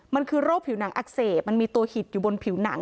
มันคือโรคผิวหนังอักเสบมันมีตัวหิตอยู่บนผิวหนัง